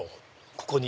ここに。